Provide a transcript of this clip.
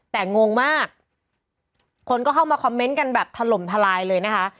แต่งงมากคนก็เข้ามาคอมเมนต์กันแบบถล่มทลายเลยนะคะ